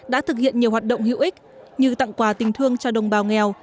đã thực hiện nhiều hoạt động hữu ích như tặng quà tình thương cho đồng bào nghèo